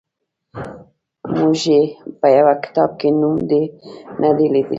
موږ یې په یوه کتاب کې نوم نه دی لیدلی.